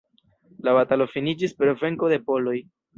La batalo finiĝis per venko de poloj.